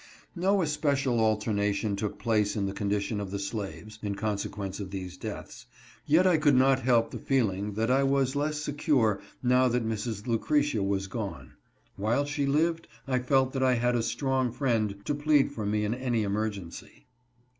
No especial alteration took place in the condition of the slaves, in consequence of these deaths, yet I could not help the feeling that I was less secure now that Mrs. Lucretia was gone. While she lived, I felt that I had a strong friend to plead for me in any emergency.